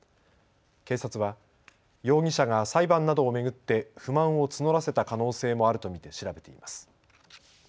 警察は容疑者が裁判などを巡って不満を募らせた可能性もあると見て調べています。